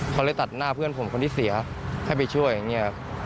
เขาเลยตัดหน้าเพื่อนผมคนที่เสียให้ไปช่วย